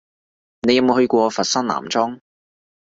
你有冇去過佛山南莊？